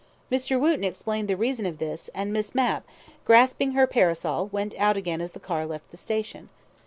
Mr. Wootten explained the reason of this, and Miss Mapp, grasping her parasol went out again as the car left the station.